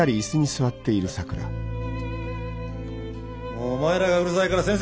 もうお前らがうるさいから先生